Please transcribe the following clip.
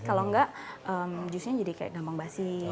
kalau enggak jusnya jadi kayak gampang basi